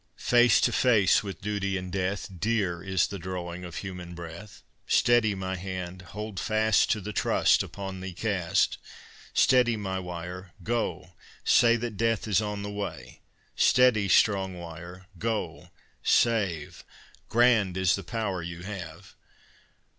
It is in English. Face to face with duty and death, Dear is the drawing of human breath. "Steady, my hand! Hold fast To the trust upon thee cast. Steady, my wire! Go, say That death is on the way! Steady, strong wire! Go, save! Grand is the power you have!"